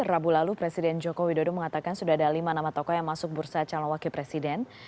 rabu lalu presiden joko widodo mengatakan sudah ada lima nama tokoh yang masuk bursa calon wakil presiden